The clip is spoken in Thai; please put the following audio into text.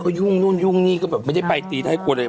ก็ยุ่งนู่นยุ่งนี่ก็แบบไม่ได้ไปตีท้ายครัวเลย